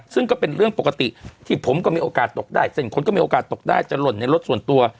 ซึ่งก็เป็นเรื่องปกติที่ผมก็มีโอกาสตกได้เส้นคนก็มีโอกาสตกได้จะหล่นในรถส่วนตัว